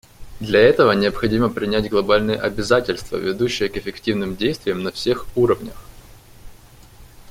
Для этого необходимо принять глобальные обязательства, ведущие к эффективным действиям на всех уровнях.